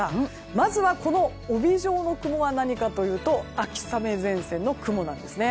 まずは帯状の雲は何かというと秋雨前線の雲なんです。